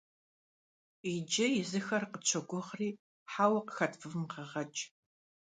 Иджы езыхэр къытщогугъри, «хьэуэ» къыхэдвмыгъэгъэкӀ.